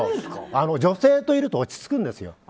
女性といると落ち着くんですよ。